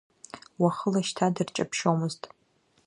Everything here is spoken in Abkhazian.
Уахыла шьҭа дырҷаԥшьомызт.